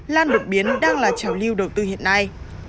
lan được biến đang là chảo lưu đầu tư hiện nay